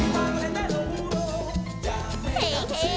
ヘイヘイ！